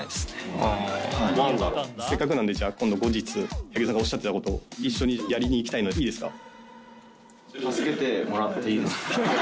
せっかくなんでじゃあ今度後日柳楽さんがおっしゃってたことを一緒にやりに行きたいのでいいですか？